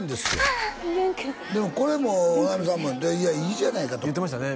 ああっ文君でもこれも保奈美さんも「いやいいじゃないか」と言ってましたね